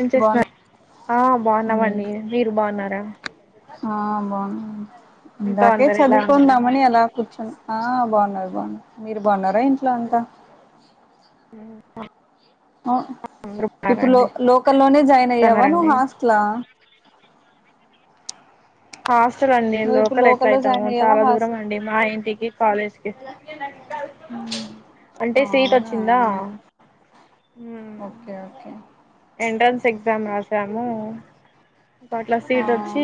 ఏం బాగున్నా చేస్తున్నారు ఆ బావున్నామండి మీరు బావున్నారా ఆ బావున్నా ఇందాకే అందరు ఎలా ఉన్నారండి చదువుకుందామని అలా కూర్చుని ఆ బావున్నారు బావున్నారు మీరు బావున్నారా ఇంట్లో అంతా ఉ అ ఇప్పుడు లో లోకల్ ల్లోనే జాయిన్ అయ్యావా నువ్వు న్నారండి హాస్టలా ఆస్ హాస్టలండి నువ్వు ఇప్పుడు లోకల్ ఎట్లా లోకల్లో అయితాము జాయిన్ అయ్యావా చాలా హాస్ దూరం అండి మా ఇంటికి కాలేజ్కి అంటే సీట్ అవునా వచ్చిందా హ్మ్ ఓకే ఓకే ఎంట్రన్స్ ఎగ్ ఎగ్జామ్ రాసాము అట్లా ఆ సీట్ వచ్చి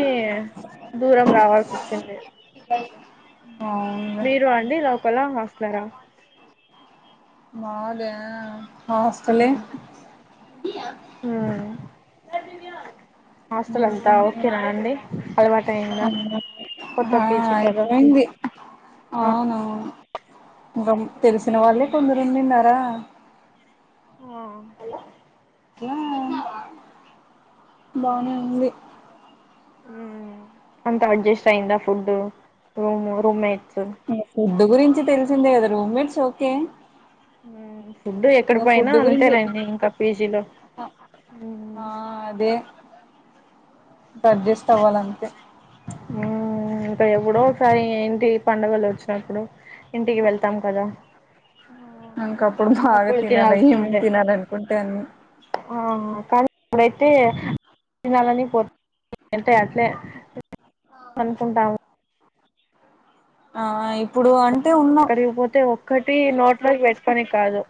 దూరం రావాల్సి వచ్చింది అవునులే మీరు అండి లోకలా హాస్టలరా మాదా హాస్టలే ఇయా ఆ హాస్టల్ ఇంకా అంతా ఓకేనా అండి అలవాటు అయింద కొత్త ఆ పీజీ కద అయిపోయింది ఆ అవునవును ఇంకా తెలిసిన వాళ్ళే కొందరుండిన్నారా ఆ హ్మ్ బానే ఉంది అంతా అడ్జస్ట్ అయిందా ఫుడ్ రూము రూమ్మేట్ [unintelligible] [unintelligible] గురించి తెలిసిందే కదా రూమిట్స్ ఓకే ఫుడ్ ఎక్కడి ఇంగ పోనా ఫుడ్ గురించి అంతేనండి ఇంక పీజీలో ఆ ఎడ్జస్ట్ అవ్వాలంతే హ్మ్ఇంక ఎపుడోసారి ఇంటి పండుగలు వచ్చినప్పుడు ఇంటికి వెళ్తాం కదా ఆ, ఇంకప్పుడు బాగా అప్పుడు తినాలి ఏమేమి తినాల్సిందే తినాలనుకుంటే అన్ని ఆ కానీ ఇప్పుడైతే తినాలని పో అంటే అట్లే అనుకుంటాము ఆ ఇప్పుడు అం క్కడికి పోతే ఒ ఒకటి నోట్లో ఎసుకొని కాదు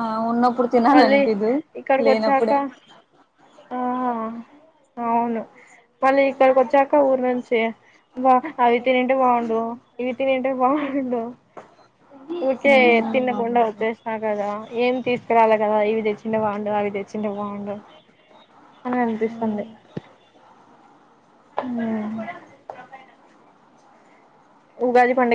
ఆ ఉన్న ఇప్పుడు మళ్ళీ తినాలనిపిదు ఇక్కడికి లేనప్పుడే వచ్చాక ఆ అవును మళ్ళీ ఇక్కడికి వచ్చాక ఊరు నుంచి బా అవి తినింటే బాగుండు ఇవి తినింటే బాగుండు ఊకే మ్మ్ అవును తిన్నకుండా వా చేసినా కదా ఏం తీస్త ఎక్కరాలే కదా ఇవి తెచ్చింటే బాగుండు అవి తెచ్చింటే బాగుండు అని అనిపిస్తుంది మ్మ్ హమ్ ఉగాది పండ